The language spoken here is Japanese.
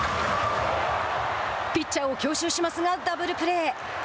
ピッチャーを強襲しますがダブルプレー。